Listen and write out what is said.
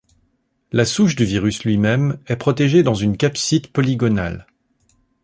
La souche du virus lui-même est protégé dans une capside polygonale.